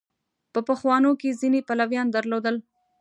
په پخوانو کې ځینې پلویان درلودل.